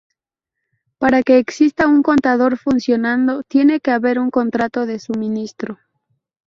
Para que exista un contador funcionando, tiene que haber un contrato de suministro.